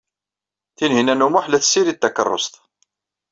Tinhinan u Muḥ la tessirid takeṛṛust.